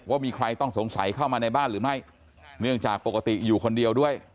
ว่ามีใครต้องสงสัยเข้ามาในบ้านหรือไม่เนื่องจากปกติอยู่คนเดียวด้วย